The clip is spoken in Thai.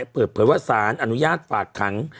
เปิดเผยว่าสารอนุญาตฝากขัง